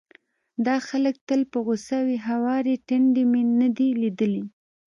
دا خلک تل په غوسه وي، هوارې ټنډې مې نه دي ليدلې،